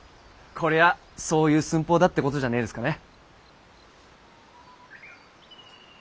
こりゃそういう寸法だってことじゃねえですかね？